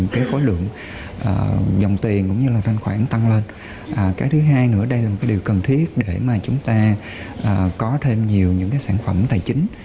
cái thứ hai nữa đây là một điều cần thiết để mà chúng ta có thêm nhiều những sản phẩm tài chính